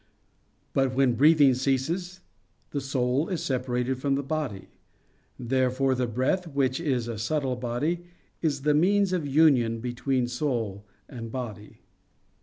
But when breathing ceases, the soul is separated from the body. Therefore the breath, which is a subtle body, is the means of union between soul and body.